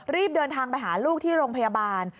รีบเดินทางไปหาลูกที่โรงพยาบาล